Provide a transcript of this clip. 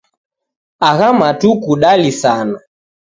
Agha matuku dalisana.